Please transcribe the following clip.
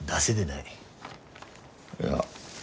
いや。